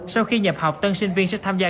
sau khi nhập học tân sinh viên sẽ tham gia